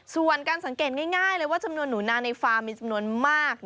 ส่วนการสังเกตง่ายเลยว่าจำนวนหนูนาในฟาร์มมีจำนวนมาก